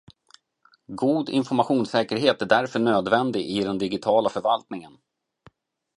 God informationssäkerhet är därför nödvändig i den digitala förvaltningen.